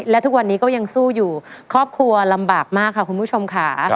และทุกวันนี้ก็ยังสู้อยู่ครอบครัวลำบากมากค่ะคุณผู้ชมค่ะ